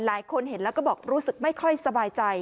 หลายคนเห็นแล้วก็บอกรู้สึกไม่ค่อยสบายใจ